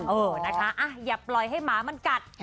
เออนะคะอย่าปล่อยให้หมามันกัด